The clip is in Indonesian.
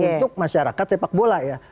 untuk masyarakat sepak bola ya